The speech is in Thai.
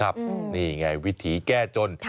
ครับนี่ไงวิถีแก้จน